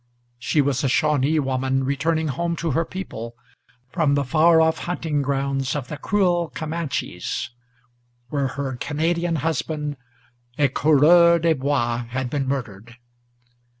She was a Shawnee woman returning home to her people, From the far off hunting grounds of the cruel Camanches, Where her Canadian husband, a Coureur des Bois, had been murdered.